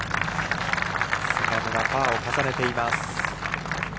菅沼、パーを重ねています。